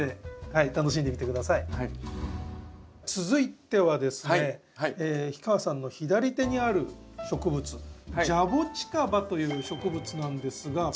続いてはですね氷川さんの左手にある植物ジャボチカバという植物なんですが。